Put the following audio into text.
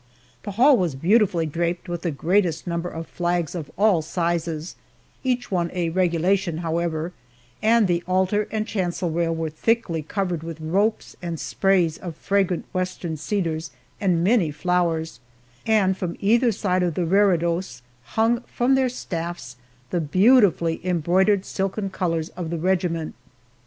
The hall was beautifully draped with the greatest number of flags of all sizes each one a "regulation," however and the altar and chancel rail were thickly covered with ropes and sprays of fragrant Western cedars and many flowers, and from either side of the reredos hung from their staffs the beautifully embroidered silken colors of the regiment.